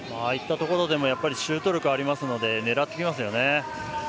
ああいったところでもシュート力ありますので狙ってきますよね。